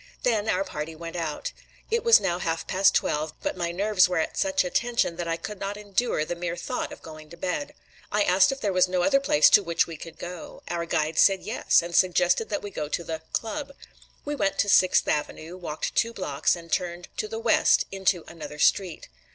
Then our party went out. It was now about half past twelve, but my nerves were at such a tension that I could not endure the mere thought of going to bed. I asked if there was no other place to which we could go; our guides said yes, and suggested that we go to the "Club." We went to Sixth Avenue, walked two blocks, and turned to the west into another street.